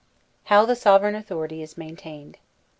How THE Sovereign Authority is Maintained.